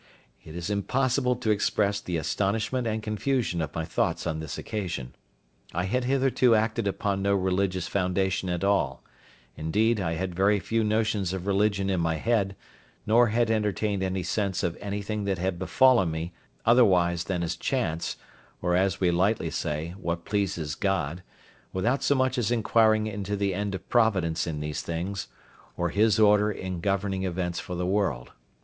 It is impossible to express the astonishment and confusion of my thoughts on this occasion. I had hitherto acted upon no religious foundation at all; indeed, I had very few notions of religion in my head, nor had entertained any sense of anything that had befallen me otherwise than as chance, or, as we lightly say, what pleases God, without so much as inquiring into the end of Providence in these things, or His order in governing events for the world.